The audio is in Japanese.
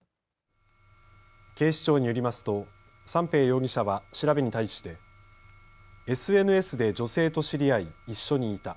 警視庁によりますと三瓶容疑者は調べに対してＳＮＳで女性と知り合い一緒にいた。